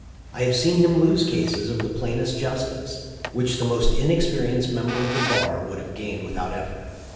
I have seen him lose cases of the plainest justice, which the most inexperienced member of the bar would have gained without effort.